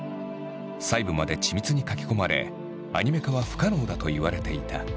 細部まで緻密に描き込まれアニメ化は不可能だといわれていた。